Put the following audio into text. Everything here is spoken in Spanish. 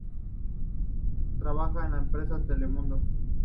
Trabaja en la empresa Telemundo.